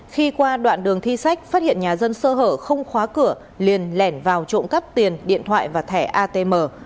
khi qua đoạn đường thi sách phát hiện nhà dân sơ hở không khóa cửa liền lẻn vào trộm cắp tiền điện thoại và thẻ atm